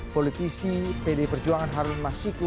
politisi pd perjuangan harun masiku